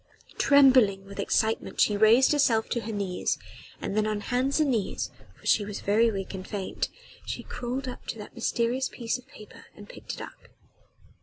Trembling with excitement she raised herself to her knees and then on hands and knees for she was very weak and faint she crawled up to that mysterious piece of paper and picked it up.